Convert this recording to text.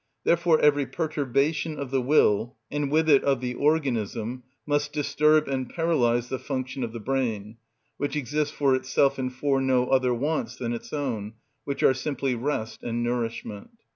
Therefore every perturbation of the will, and with it of the organism, must disturb and paralyse the function of the brain, which exists for itself and for no other wants than its own, which are simply rest and nourishment.